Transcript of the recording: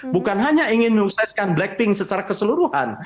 bukan hanya ingin menyukseskan blackpink secara keseluruhan